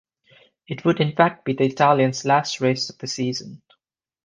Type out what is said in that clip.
It would in fact be the Italian's last race of the season.